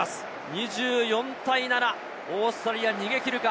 ２４対７、オーストラリア逃げ切るか。